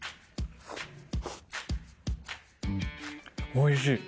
おいしい。